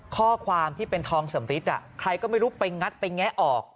ข้อความที่เป็นทองสำริดใครก็ไม่รู้ไปงัดไปแงะออก